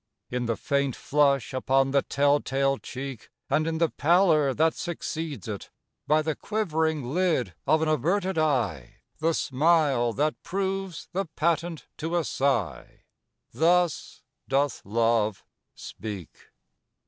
In the faint flush upon the tell tale cheek, And in the pallor that succeeds it; by The quivering lid of an averted eye The smile that proves the patent to a sigh Thus doth Love speak.